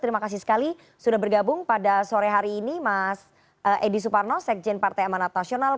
terima kasih sekali sudah bergabung pada sore hari ini mas edi suparno sekjen partai amanat nasional